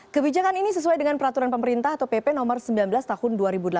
kebijakan ini sesuai dengan peraturan pemerintah atau pp nomor sembilan belas tahun dua ribu delapan belas